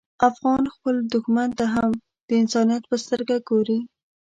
افغان خپل دښمن ته هم د انسانیت په سترګه ګوري.